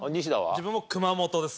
自分も熊本です。